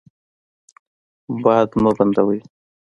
باد مه بندوئ.